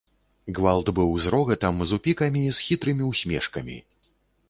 Гвалт быў з рогатам, з упікамі, з хітрымі ўсмешкамі.